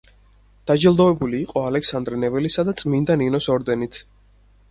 დაჯილდოებული იყო ალექსანდრე ნეველისა და წმინდა ნინოს ორდენით.